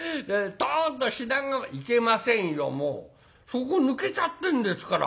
底抜けちゃってんですから。